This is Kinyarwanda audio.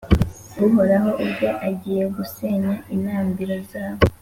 Uhoraho ubwe agiye gusenya intambiro zabo